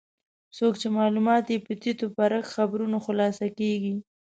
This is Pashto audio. څوک چې معلومات یې په تیت و پرک خبرونو خلاصه کېږي.